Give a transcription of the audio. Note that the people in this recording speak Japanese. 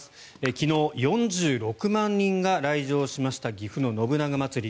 昨日、４６万人が来場しました岐阜の信長まつり。